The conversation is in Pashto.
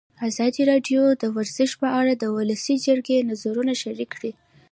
ازادي راډیو د ورزش په اړه د ولسي جرګې نظرونه شریک کړي.